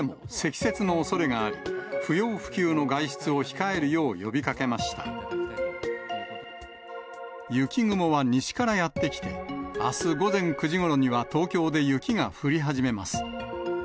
雪雲は西からやって来て、あす午前９時ごろには、東京で雪が降り始めます。